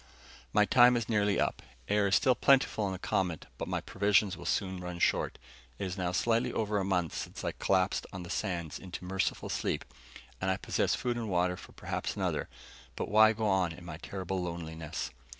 My time is nearly up. Air is still plentiful on the Comet, but my provisions will soon run short. It is now slightly over a month since I collapsed on the sands into merciful sleep, and I possess food and water for perhaps another. But why go on in my terrible loneliness?